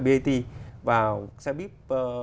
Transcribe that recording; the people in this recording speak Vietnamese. brt và xe bíp